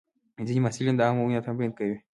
ځینې محصلین د عامه وینا تمرین کوي.